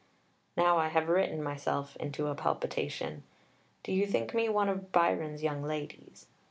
Now I have written myself into a palpitation. Do you think me one of Byron's young ladies?